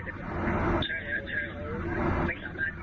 จะมาเครื่อยเหนืออันนี้ได้หนึ่งเป็นธุรกิจครับครับต่อและ